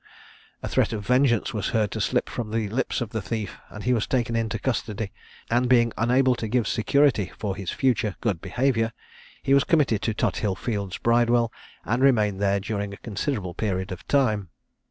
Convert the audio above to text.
A threat of vengeance was heard to slip from the lips of the thief, and he was taken into custody, and being unable to give security for his future good behaviour, he was committed to Tothill fields Bridewell, and remained there during a considerable period of time.